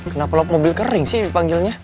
kenapa lo mobil kering sih panggilnya